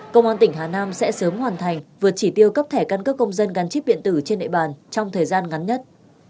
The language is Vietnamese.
công an tỉnh hà nam sẽ sớm hoàn thành vượt chỉ tiêu cấp thẻ căn cước công dân gắn chip điện tử trên nệ bàn trong thời gian ngắn nhất